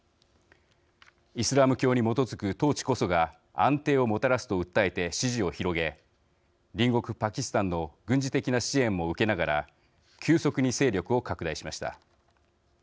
イスラム教に基づく統治こそが安定をもたらすと訴えて支持を広げ隣国、パキスタンの軍事的な支援も受けながら急速に勢力を拡大しました。